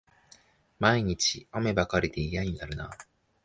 毎日、雨ばかりで嫌になるな